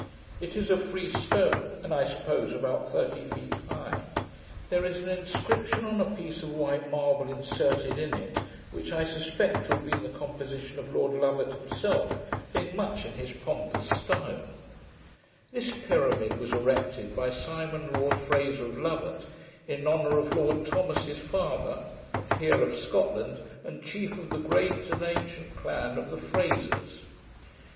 It is of free stone, and, I suppose, about thirty feet high. There is an inscription on a piece of white marble inserted in it, which I suspect to have been the composition of Lord Lovat himself, being much in his pompous style: This pyramid was erected by SIMON LORD FRASER of LOVAT, in honour of Lord THOMAS his Father, a Peer of Scotland, and Chief of the great and ancient clan of the FRASERS.